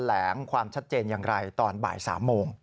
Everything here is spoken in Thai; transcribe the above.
ลงความชัดเจนอย่างไรตอนบ่าย๓โมง